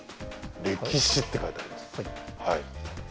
「歴史」って書いてあります。